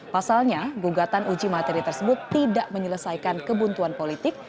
pasalnya gugatan uji materi tersebut tidak menyelesaikan kebuntuan politik